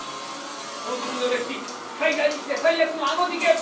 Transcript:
この国の歴史最大にして最悪のあの事件！